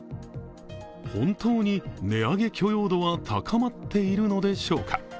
本当に値上げ許容度は高まっているのでしょうか。